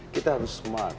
kita harus smart